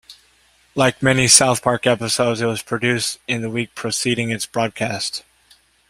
Like many "South Park" episodes, it was produced in the week preceding its broadcast.